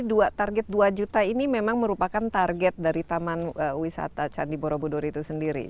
dua target dua juta ini memang merupakan target dari taman wisata candi borobudur itu sendiri